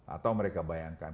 atau mereka bayangkan